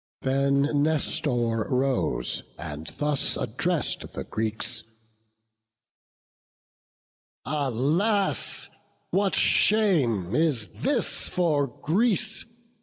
Then Nestor rose, and thus address'd the Greeks: "Alas, alas! what shame is this for Greece!